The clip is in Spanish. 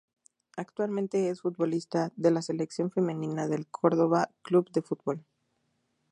Actualmente es futbolista de la sección femenina del Córdoba Club de Fútbol.